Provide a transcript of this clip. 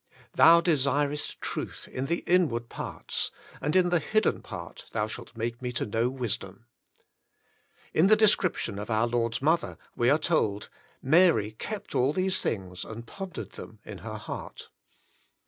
" Thou desirest truth in the inward parts ; and in the hidden part thou shalt make me to know wisdom." In the description of our Lord's mother we are told :" Mary kept all these things and pondered them in her heart.''